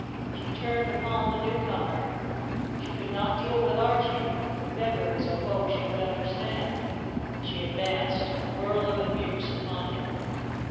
She turned upon the new comer. She could not deal with Archie, but the beggar was a foe she could understand, and she advanced, a whirl of abuse, upon him.